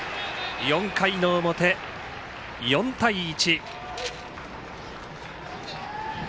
４回の表、４対１。